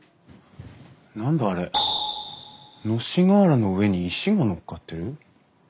何だあれ？のし瓦の上に石が載っかってる？